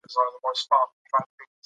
هرات د افغانستان د اقلیم یوه ځانګړتیا ده.